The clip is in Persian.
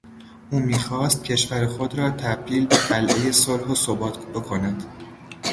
او میخواست کشور خود را تبدیل به قلعهی صلح و ثبات بکند.